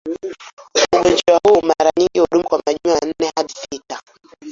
Ugonjwa huu mara nyingi hudumu kwa majuma manne hadi sita